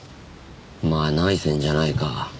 まあない線じゃないか。